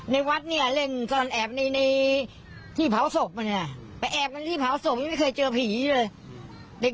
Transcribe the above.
ในวัดเล่นซ่อนแอบในที่เผาศพไปแอบในที่เผาศพไม่เคยเจอผีเลย